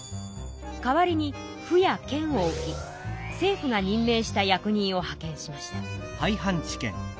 代わりに府や県を置き政府が任命した役人を派遣しました。